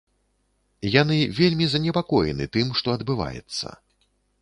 Яны вельмі занепакоены тым, што адбываецца.